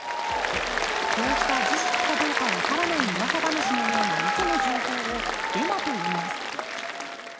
こうした事実かどうかわからないうわさ話のようなウソの情報をデマといいます。